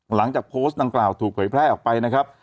หลังจากโพสต์ดังกล่าวถูกเผยแพร่ออกไปนะครับ